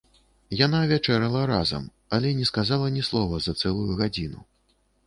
Яна вячэрала разам, але не сказала ні слова за цэлую гадзіну.